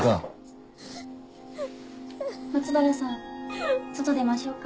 松原さん外出ましょうか。